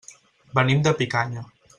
Venim de Picanya.